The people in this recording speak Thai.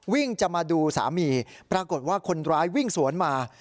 วิ่งจะมาดูสามีปรากฏว่าคนร้ายวิ่งสวนมา